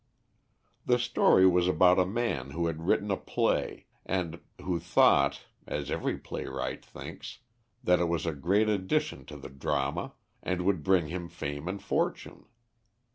The story was about a man who had written a play, and who thought, as every playwright thinks, that it was a great addition to the drama, and would bring him fame and fortune.